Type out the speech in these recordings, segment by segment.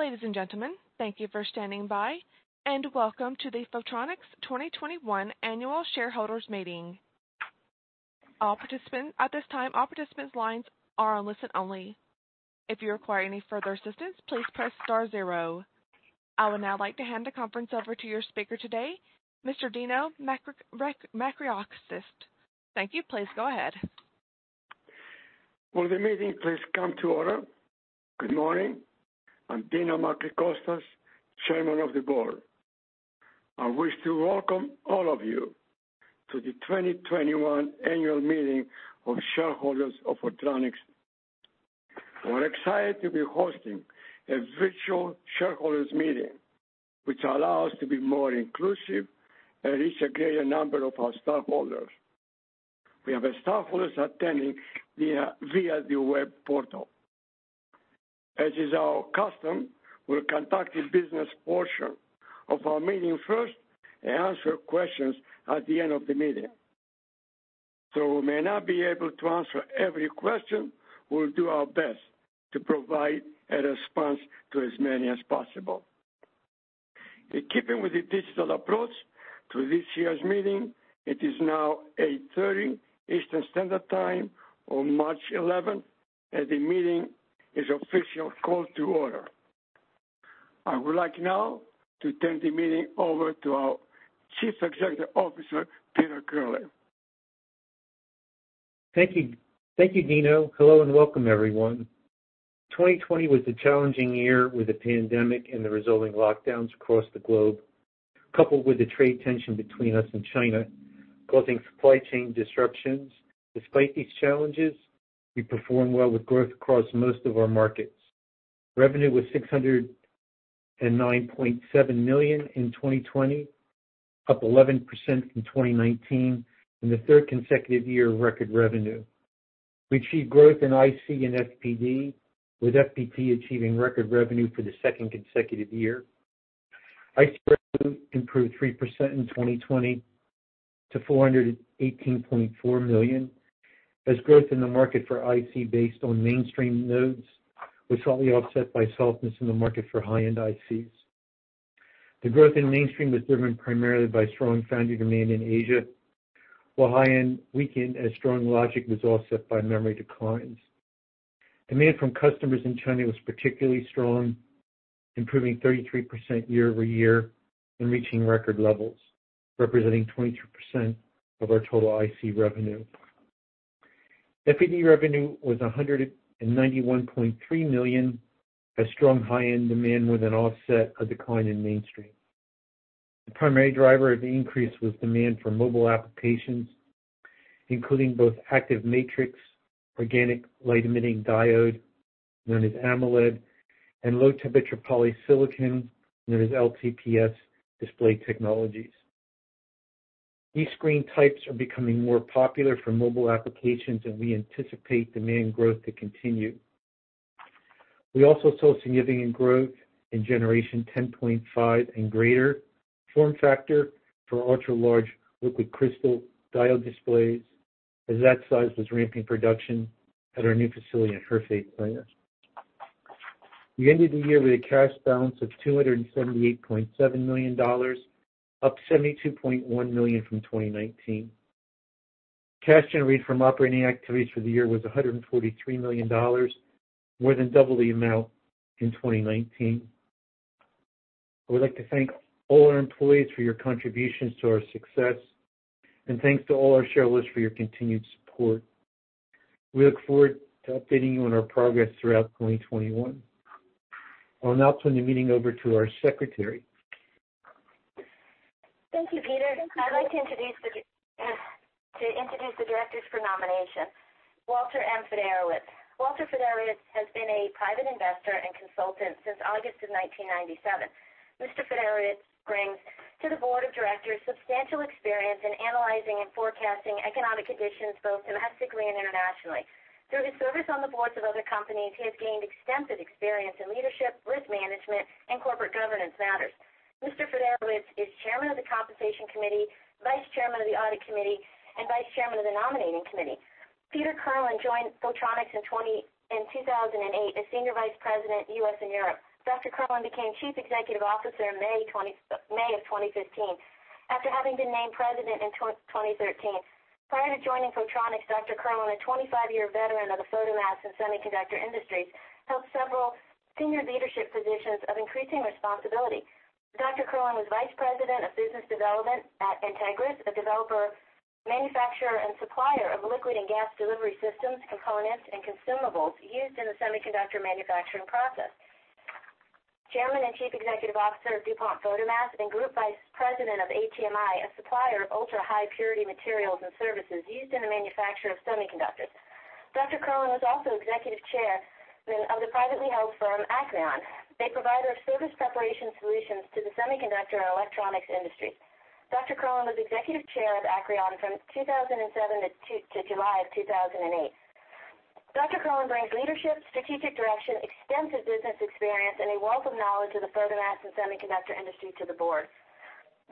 Ladies and gentlemen, thank you for standing by, and welcome to the Photronics 2021 Annual Shareholders' Meeting. At this time, all participants' lines are on listen only. If you require any further assistance, please press star zero. I would now like to hand the conference over to your speaker today, Mr. Constantine Macricostas. Thank you. Please go ahead. Will the meeting please come to order? Good morning. I'm Deno Macricostas, Chairman of the Board. I wish to welcome all of you to the 2021 Annual Meeting of Shareholders of Photronics. We're excited to be hosting a virtual shareholders meeting, which allow us to be more inclusive and reach a greater number of our stockholders. We have stockholders attending via the web portal. As is our custom, we'll conduct the business portion of our meeting first and answer questions at the end of the meeting. Though we may not be able to answer every question, we'll do our best to provide a response to as many as possible. In keeping with the digital approach to this year's meeting, it is now 8:30 A.M. Eastern Standard Time on March 11th, and the meeting is officially called to order. I would like now to turn the meeting over to our Chief Executive Officer, Peter Kirlin. Thank you, Deno. Hello, welcome, everyone. 2020 was a challenging year with the pandemic and the resulting lockdowns across the globe, coupled with the trade tension between us and China, causing supply chain disruptions. Despite these challenges, we performed well with growth across most of our markets. Revenue was $609.7 million in 2020, up 11% from 2019, the third consecutive year of record revenue. We achieved growth in IC and FPD, with FPD achieving record revenue for the second consecutive year. IC revenue improved 3% in 2020 to $418.4 million, as growth in the market for IC based on mainstream nodes was slightly offset by softness in the market for high-end ICs. The growth in mainstream was driven primarily by strong foundry demand in Asia, while high-end weakened as strong logic was offset by memory declines. Demand from customers in China was particularly strong, improving 33% year over year and reaching record levels, representing 23% of our total IC revenue. FPD revenue was $191.3 million. A strong high-end demand more than offset a decline in mainstream. The primary driver of the increase was demand for mobile applications, including both active matrix, organic light-emitting diode, known as AMOLED, and low-temperature polysilicon, known as LTPS, display technologies. These screen types are becoming more popular for mobile applications, and we anticipate demand growth to continue. We also saw significant growth in generation 10.5 and greater form factor for ultra large liquid crystal displays, as that size was ramping production at our new facility in Hefei, China. We ended the year with a cash balance of $278.7 million, up $72.1 million from 2019. Cash generated from operating activities for the year was $143 million, more than double the amount in 2019. I would like to thank all our employees for your contributions to our success, and thanks to all our shareholders for your continued support. We look forward to updating you on our progress throughout 2021. I'll now turn the meeting over to our secretary. Thank you, Peter. I'd like to introduce the directors for nomination. Walter M. Fiederowicz. Walter Fiederowicz has been a private investor and consultant since August of 1997. Mr. Fiederowicz brings to the board of directors substantial experience in analyzing and forecasting economic conditions, both domestically and internationally. Through his service on the boards of other companies, he has gained extensive experience in leadership, risk management, and corporate governance matters. Mr. Fiederowicz is chairman of the compensation committee, vice chairman of the audit committee, and vice chairman of the nominating committee. Peter Kirlin joined Photronics in 2008 as senior vice president, U.S. and Europe. Dr. Kirlin became chief executive officer in May of 2015, after having been named president in 2013. Prior to joining Photronics, Dr. Kirlin, a 25-year veteran of the photomask and semiconductor industries, held several senior leadership positions of increasing responsibility. Dr. Kirlin was vice president of business development at Entegris, a developer, manufacturer, and supplier of liquid and gas delivery systems, components, and consumables used in the semiconductor manufacturing process. Chairman and Chief Executive Officer of DuPont Photomasks, Inc., group vice president of ATMI, a supplier of ultra-high purity materials and services used in the manufacture of semiconductors. Dr. Kirlin was also executive chairman of the privately held firm, Acrion. They provided surface preparation solutions to the semiconductor and electronics industry. Dr. Kirlin was executive chair of Acrion from 2007 to July of 2008. Dr. Kirlin brings leadership, strategic direction, extensive business experience, and a wealth of knowledge of the photomask and semiconductor industry to the board.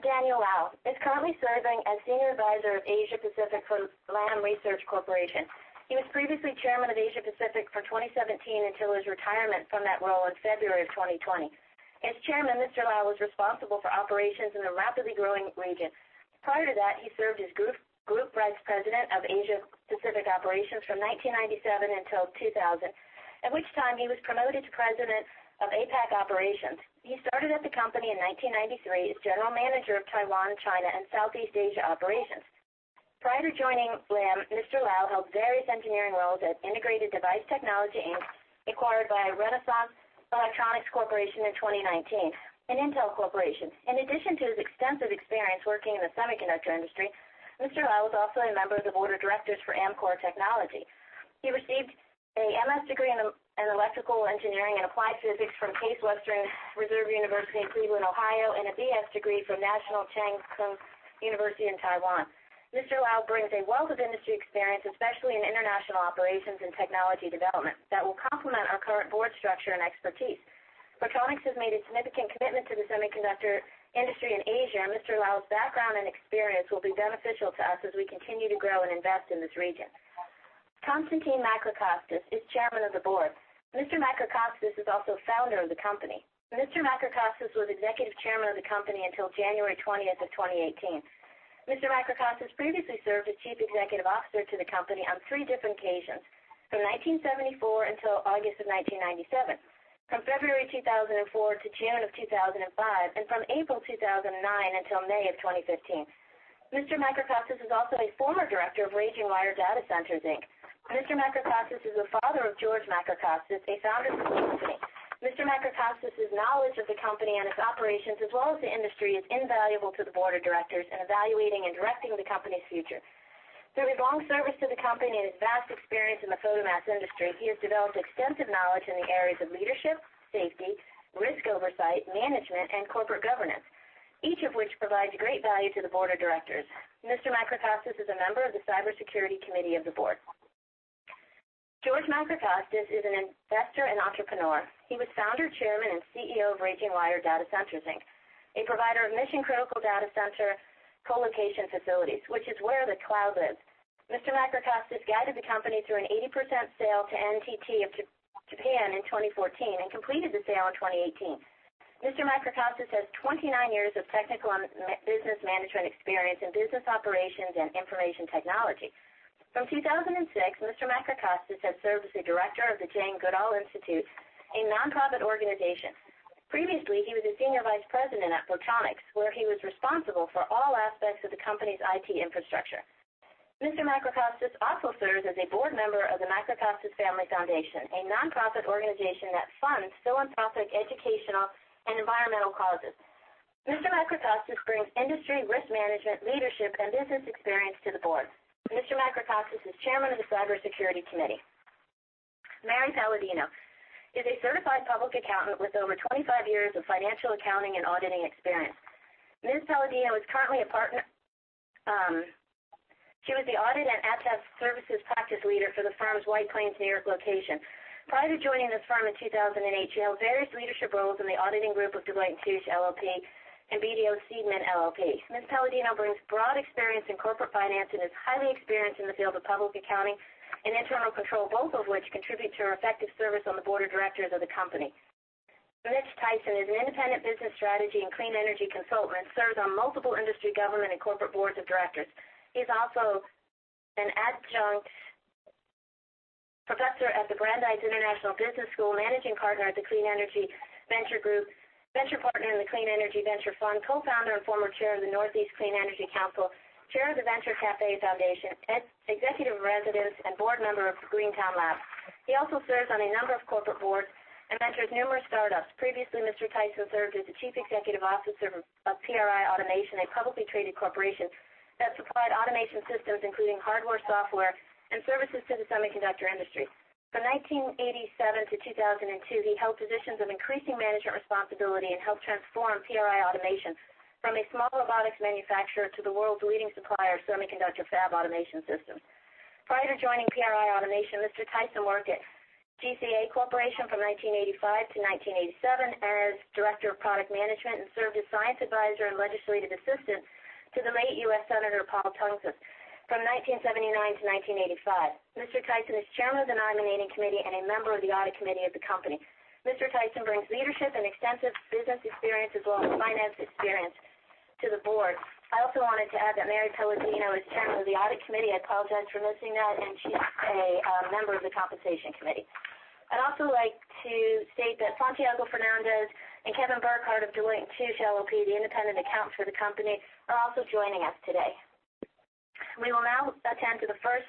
Daniel Liao is currently serving as Senior Advisor of Asia Pacific for Lam Research Corporation. He was previously chairman of Asia Pacific from 2017 until his retirement from that role in February of 2020. As Chairman, Mr. Liao was responsible for operations in a rapidly growing region. Prior to that, he served as Group Vice President of Asia Pacific Operations from 1997 until 2000, at which time he was promoted to President of APAC Operations. He started at the company in 1993 as General Manager of Taiwan, China, and Southeast Asia Operations. Prior to joining Lam, Mr. Liao held various engineering roles at Integrated Device Technology, Inc., acquired by Renesas Electronics Corporation in 2019, and Intel Corporation. In addition to his extensive experience working in the semiconductor industry, Mr. Liao is also a member of the board of directors for Amkor Technology, Inc. He received an MS degree in electrical engineering and applied physics from Case Western Reserve University in Cleveland, Ohio, and a BS degree from National Cheng Kung University in Taiwan. Mr. Liao brings a wealth of industry experience, especially in international operations and technology development, that will complement our current board structure and expertise. Photronics has made a significant commitment to the semiconductor industry in Asia, and Mr. Liao's background and experience will be beneficial to us as we continue to grow and invest in this region. Constantine Macricostas is Chairman of the Board. Mr. Macricostas is also founder of the company. Mr. Macricostas was Executive Chairman of the company until January 20th, 2018. Mr. Macricostas previously served as Chief Executive Officer to the company on three different occasions, from 1974 until August 1997, from February 2004 to June 2005, and from April 2009 until May 2015. Mr. Macricostas is also a former director of RagingWire Data Centers, Inc. Mr. Macricostas is the father of George Macricostas, a founder of the company. Mr. Macricostas' knowledge of the company and its operations, as well as the industry, is invaluable to the board of directors in evaluating and directing the company's future. Through his long service to the company and his vast experience in the photomask industry, he has developed extensive knowledge in the areas of leadership, safety, risk oversight, management, and corporate governance, each of which provides great value to the board of directors. Mr. Macricostas is a member of the Cybersecurity Committee of the board. George Macricostas is an investor and entrepreneur. He was founder, chairman, and CEO of RagingWire Data Centers, Inc, a provider of mission-critical data center colocation facilities, which is where the cloud lives. Mr. Macricostas guided the company through an 80% sale to NTT of Japan in 2014 and completed the sale in 2018. Mr. Macricostas has 29 years of technical and business management experience in business operations and information technology. From 2006, Mr. Macricostas has served as a director of the Jane Goodall Institute, a nonprofit organization. Previously, he was a senior vice president at Photronics, where he was responsible for all aspects of the company's IT infrastructure. Mr. Macricostas also serves as a board member of the Macricostas Family Foundation, a nonprofit organization that funds philanthropic, educational, and environmental causes. Mr. Macricostas brings industry risk management, leadership, and business experience to the board. Mr. Macricostas is chairman of the Cybersecurity Committee. Mary Paladino is a certified public accountant with over 25 years of financial accounting and auditing experience. Ms. Paladino is currently a partner. She was the Audit and Attest Services practice leader for the firm's White Plains, New York, location. Prior to joining this firm in 2008, she held various leadership roles in the auditing group of Deloitte & Touche LLP and BDO Seidman LLP. Ms. Paladino brings broad experience in corporate finance and is highly experienced in the field of public accounting and internal control, both of which contribute to her effective service on the board of directors of the company. Mitch Tyson is an independent business strategy and clean energy consultant, serves on multiple industry, government, and corporate boards of directors. He's also an adjunct professor at the Brandeis International Business School, managing partner at the Clean Energy Venture Group, venture partner in the Clean Energy Venture Fund, co-founder and former chair of the Northeast Clean Energy Council, chair of the Venture Café Foundation, executive in residence, and board member of Greentown Labs. He also serves on a number of corporate boards and mentors numerous startups. Previously, Mr. Tyson served as the Chief Executive Officer of PRI Automation, a publicly traded corporation that supplied automation systems including hardware, software, and services to the semiconductor industry. From 1987 to 2002, he held positions of increasing management responsibility and helped transform PRI Automation from a small robotics manufacturer to the world's leading supplier of semiconductor fab automation systems. Prior to joining PRI Automation, Mr. Tyson worked at GCA Corporation from 1985 to 1987 as Director of Product Management and served as science advisor and legislative assistant to the late U.S. Senator Paul Tsongas from 1979 to 1985. Mr. Tyson is chairman of the Nominating Committee and a member of the Audit Committee of the company. Mr. Tyson brings leadership and extensive business experience as well as finance experience to the board. I also wanted to add that Mary Paladino is chairman of the Audit Committee. I apologize for missing that, and she's a member of the Compensation Committee. I'd also like to state that Santiago Fernandez and Kevin Burkhardt of Deloitte & Touche LLP, the independent accountants for the company, are also joining us today. We will now attend to the first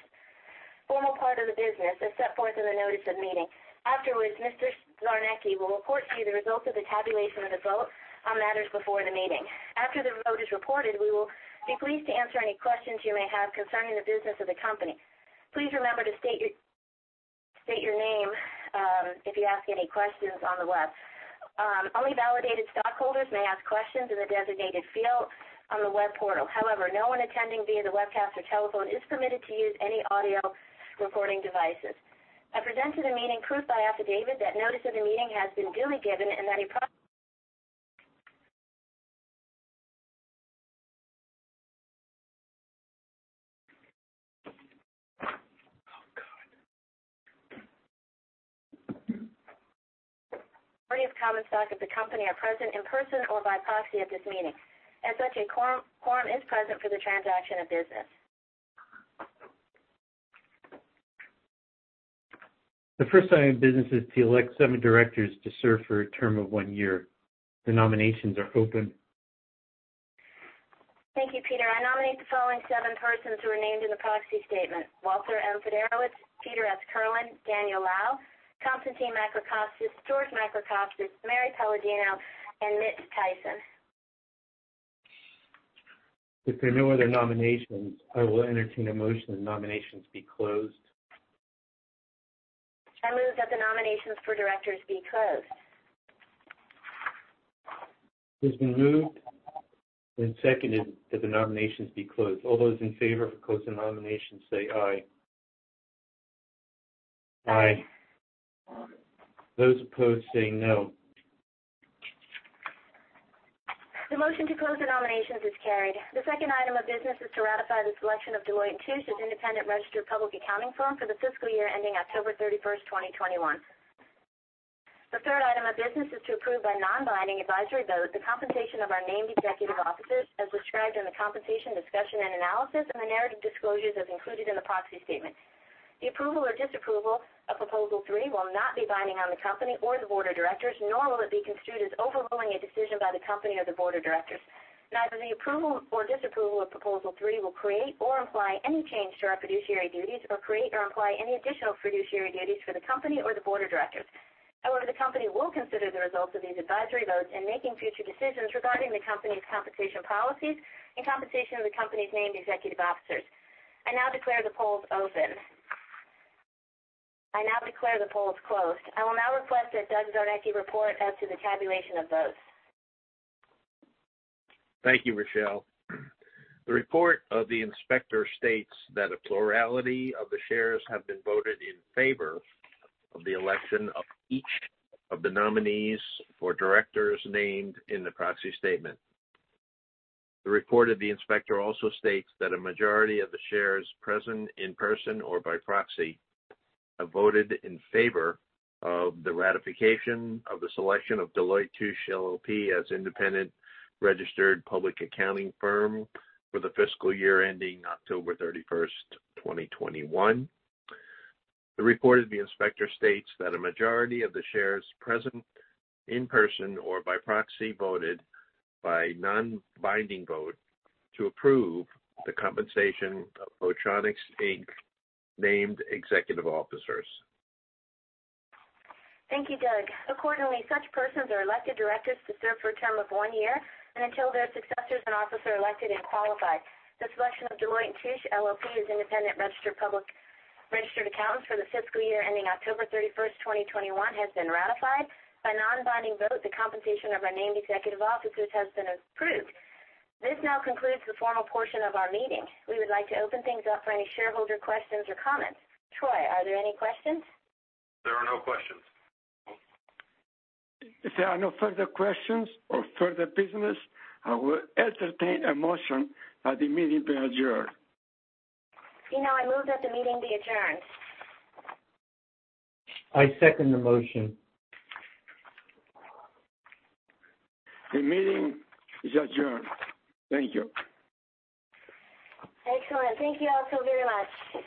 formal part of the business as set forth in the notice of meeting. Afterwards, Mr. Zarnetzky will report to you the results of the tabulation of the vote on matters before the meeting. After the vote is reported, we will be pleased to answer any questions you may have concerning the business of the company. Please remember to state your name if you ask any questions on the web. Only validated stockholders may ask questions in the designated field on the web portal. However, no one attending via the webcast or telephone is permitted to use any audio recording devices. I present to the meeting proof by affidavit that notice of the meeting has been duly given and that Oh, God. Majority of common stock of the company are present in person or by proxy at this meeting. As such, a quorum is present for the transaction of business. The first item of business is to elect seven directors to serve for a term of one year. The nominations are open. Thank you, Peter. I nominate the following seven persons who are named in the proxy statement: Walter M. Fiederowicz, Peter S. Kirlin, Daniel Liao, Constantine Macricostas, George Macricostas, Mary Paladino, and Mitch Tyson. If there are no other nominations, I will entertain a motion that nominations be closed. I move that the nominations for directors be closed. It has been moved and seconded that the nominations be closed. All those in favor of closing nominations, say aye. Aye. Those opposed, say no. The motion to close the nominations is carried. The second item of business is to ratify the selection of Deloitte & Touche as independent registered public accounting firm for the fiscal year ending October 31st, 2021. The third item of business is to approve by non-binding advisory vote the compensation of our named executive officers as described in the compensation discussion and analysis and the narrative disclosures as included in the proxy statement. The approval or disapproval of Proposal Three will not be binding on the company or the board of directors, nor will it be construed as overruling a decision by the company or the board of directors. Neither the approval or disapproval of Proposal Three will create or imply any change to our fiduciary duties or create or imply any additional fiduciary duties for the company or the board of directors. However, the company will consider the results of these advisory votes in making future decisions regarding the company's compensation policies and compensation of the company's named executive officers. I now declare the polls open. I now declare the polls closed. I will now request that Doug Zarnetzky report as to the tabulation of votes. Thank you, Richelle. The report of the inspector states that a plurality of the shares have been voted in favor of the election of each of the nominees for directors named in the proxy statement. The report of the inspector also states that a majority of the shares present in person or by proxy have voted in favor of the ratification of the selection of Deloitte & Touche LLP as independent registered public accounting firm for the fiscal year ending October 31st, 2021. The report of the inspector states that a majority of the shares present in person or by proxy voted by non-binding vote to approve the compensation of Photronics, Inc. named executive officers. Thank you, Doug. Accordingly, such persons are elected directors to serve for a term of one year and until their successors in office are elected and qualified. The selection of Deloitte & Touche, LLP as independent registered public accountants for the fiscal year ending October 31st, 2021, has been ratified. By non-binding vote, the compensation of our named executive officers has been approved. This now concludes the formal portion of our meeting. We would like to open things up for any shareholder questions or comments, are there any questions? There are no questions. If there are no further questions or further business, I will entertain a motion that the meeting be adjourned. Deno, I move that the meeting be adjourned. I second the motion. The meeting is adjourned. Thank you. Excellent. Thank you all so very much.